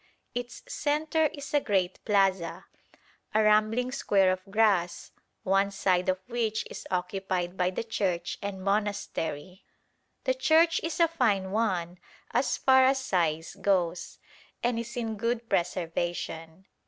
Its centre is a great plaza, a rambling square of grass, one side of which is occupied by the church and monastery. The church is a fine one as far as size goes, and is in good preservation.